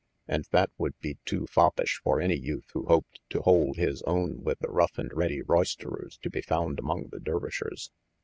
And that would be too foppish for any youth who hoped to hold his own with the rough and ready roisterers to be found among the Dervishers.